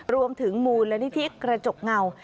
รวมถึงมูลนิธิกระจกเงา